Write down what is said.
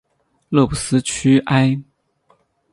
勒布斯屈埃。